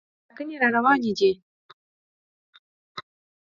ټاکنې راروانې دي.